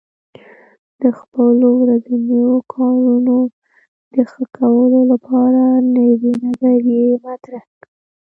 د خپلو ورځنیو کارونو د ښه کولو لپاره نوې نظریې مطرح کړئ.